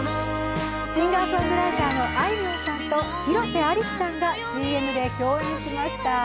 シンガーソングライターのあいみょんさんと広瀬アリスさんがＣＭで共演しました。